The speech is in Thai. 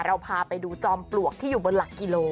เราพาไปดูจอมปลวกที่อยู่บนหลักกิโล